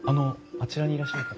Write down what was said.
あちらにいらっしゃる方。